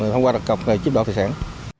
thông qua đặc cọc rồi chiếm đoạn thị sản